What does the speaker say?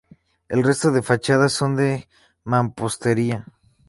El resto de fachadas son de mampostería.